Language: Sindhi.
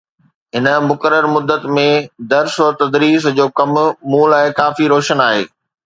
هن مقرر مدت ۾ درس و تدريس جو ڪم مون لاءِ ڪافي روشن آهي